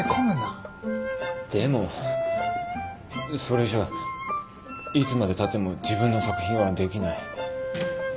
でもそれじゃいつまでたっても自分の作品はできない。